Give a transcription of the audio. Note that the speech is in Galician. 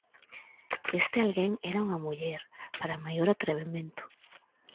Este alguén era unha muller, para maior atrevemento.